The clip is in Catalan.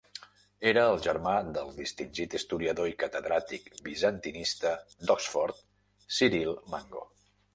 Era el germà del distingit historiador i catedràtic bizantinista d'Oxford Cyril Mango.